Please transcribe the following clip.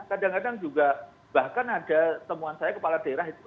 kadang kadang juga bahkan ada temuan saya kepala daerah itu